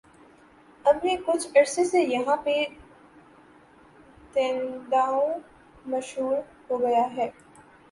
اب یہ کچھ عرصے سے یہاں پہ تیندوا مشہور ہوگیاہے